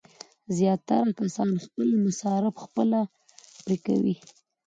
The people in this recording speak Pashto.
زیاتره کسان خپل مصارف خپله پرې کوي.